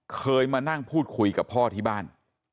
เคยมานั่งพูดคุยกับพ่อที่บ้าน